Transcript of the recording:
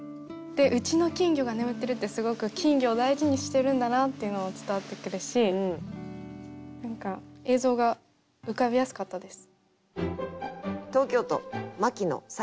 「うちの金魚が眠ってる」ってすごく金魚を大事にしてるんだなっていうのも伝わってくるし何か映像が浮かびやすかったです。